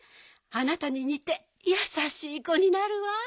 あなたににてやさしいこになるわ。